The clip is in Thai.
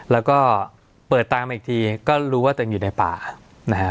แล้วก็เปิดตามมาอีกทีก็รู้ว่าตัวเองอยู่ในป่านะฮะ